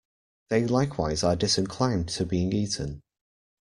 They likewise are disinclined to being eaten.